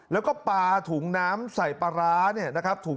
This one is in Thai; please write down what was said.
แล้วก็ปลาถุงน้ำใส่ปลาร้าเนี่ยนะครับ